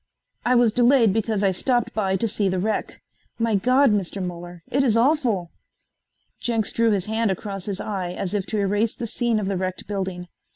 "I was delayed because I stopped by to see the wreck. My God, Mr. Muller, it is awful." Jenks drew his hand across his eye as if to erase the scene of the wrecked building.